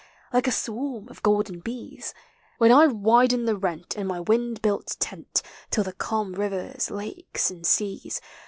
Like a swarm of golden bees, When I widen the rent in my wind built tent, Till the calm rivers, lakes, and seas.